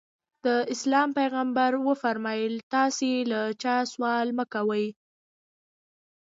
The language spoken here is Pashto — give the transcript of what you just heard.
د اسلام پیغمبر وفرمایل تاسې له چا سوال مه کوئ.